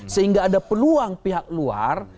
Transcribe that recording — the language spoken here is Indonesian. sehingga ada peluang pihak luar